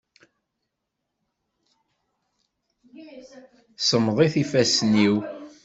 Semmeḍit yifassen-iw.